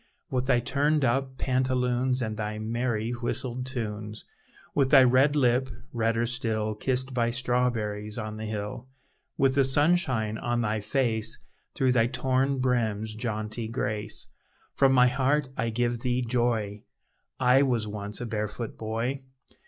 With thy turned up pantaloons, And thy merry whistled tunes; With thy red lip, redder still Kissed by strawberries on the hill; With the sunshine on thy face, Through thy torn brim's jaunty grace; From my heart I give thee joy, I was once a barefoot boy!